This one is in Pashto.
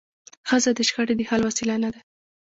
ښځه د شخړي د حل وسیله نه ده.